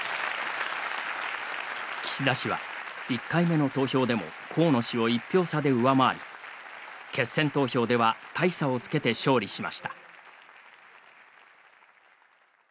岸田氏は１回目の投票でも河野氏を１票差で上回り決選投票では大差をつけて勝利しました。